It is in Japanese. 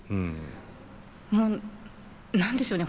もう何でしょうね